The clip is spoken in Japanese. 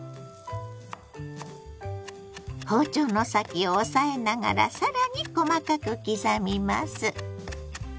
包丁の先を押さえながら更に細かく刻みます。